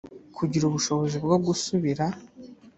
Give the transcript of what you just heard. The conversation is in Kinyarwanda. kugira ubushobozi bwo gusubira